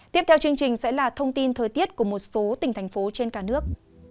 tiếp theo chương trình sẽ là thông tin thời tiết của một số tỉnh thành phố trên cả nước